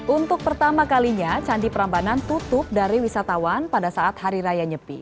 untuk pertama kalinya candi prambanan tutup dari wisatawan pada saat hari raya nyepi